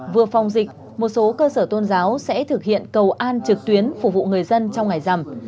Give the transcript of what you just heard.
vừa phòng dịch một số cơ sở tôn giáo sẽ thực hiện cầu an trực tuyến phục vụ người dân trong ngày rằm